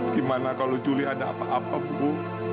gimana kalau juli ada apa apa bu